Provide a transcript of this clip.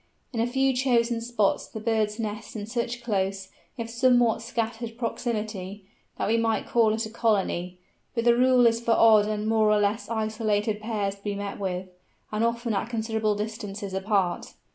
In a few chosen spots the birds nest in such close, if somewhat scattered proximity, that we might call it a colony, but the rule is for odd and more or less isolated pairs to be met with, and often at considerable distances apart.